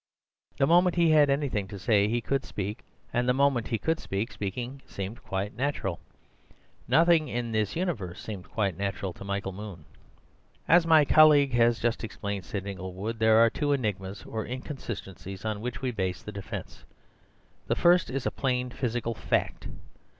The moment he had anything to say he could speak; and the moment he could speak, speaking seemed quite natural. Nothing in this universe seemed quite natural to Michael Moon. "As my colleague has just explained," said Inglewood, "there are two enigmas or inconsistencies on which we base the defence. The first is a plain physical fact.